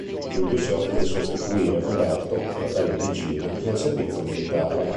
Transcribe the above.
Giulio si offre di sostituire Uberto, fratello di Gina, nel servizio militare.